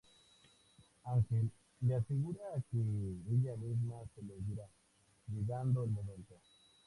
Angel le asegura que ella misma se los dirá, llegado el momento.